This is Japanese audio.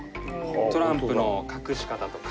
トランプの隠し方とか。